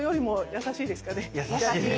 優しい。